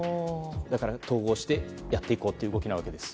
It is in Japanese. だから統合してやっていこうという動きなわけなんです。